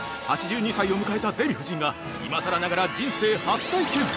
８２歳を迎えたデヴィ夫人が今さらながら人生初体験！